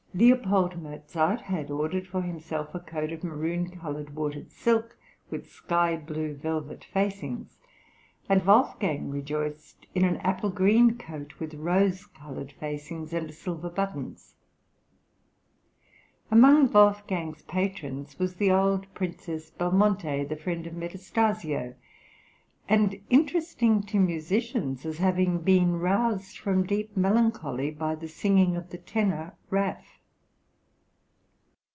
L. Mozart had ordered for himself a coat of maroon coloured watered silk with sky blue velvet facings, and Wolfgang rejoiced in an apple green coat with rose coloured facings and silver {NAPLES, 1770 LADY HAMILTON.} (123) buttons. Among Wolfgang's patrons was the old Princess Belmonte, the friend of Metastasio, and interesting to musicians as having been roused from deep melancholy by the singing of the tenor Raff.